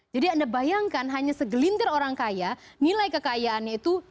jadi anda bayangkan hanya segelintir orang kaya nilai kekayaannya itu